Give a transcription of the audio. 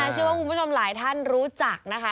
เชื่อว่าคุณผู้ชมหลายท่านรู้จักนะคะ